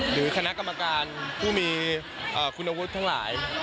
หรือคณะกรรมการผู้มีคุณวุฒิทั้งหลาย